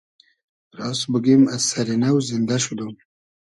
راس بوگیم از سئری نۆ زیندۂ شودوم